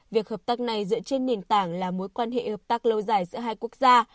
việc hợp tác này dựa trên nền tảng là mối quan hệ hợp tác lâu dài giữa hai quốc gia